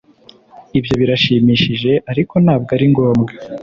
Ibyo birashimishije ariko ntabwo ari ngombwa